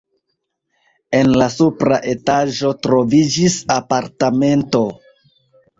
En la supra etaĝo troviĝis apartamento.